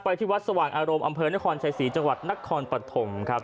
ที่วัดสว่างอารมณ์อำเภอนครชายศรีจังหวัดนครปฐมครับ